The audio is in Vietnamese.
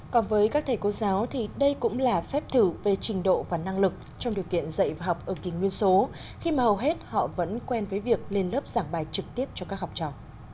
còn với các thầy cô giáo thì đây cũng là phép thử về trình độ và năng lực trong điều kiện dạy và học ở kỳ nguyên số khi mà hầu hết họ vẫn quen với việc lên lớp giảng bài trực tiếp cho các học trò